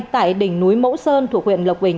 tại đỉnh núi mẫu sơn thuộc huyện lộc bình